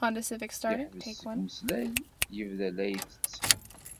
Yeḥbes seg umeslay, yebda la itett.